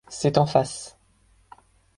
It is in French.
C’est en face.